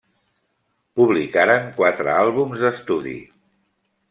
Publicaren quatre àlbums d'estudi.